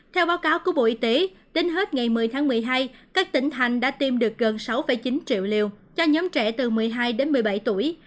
theo báo cáo của bộ y tế đến hết ngày một mươi tháng một mươi hai các tỉnh thành đã tiêm được gần sáu chín triệu liều cho nhóm trẻ từ một mươi hai đến một mươi bảy tuổi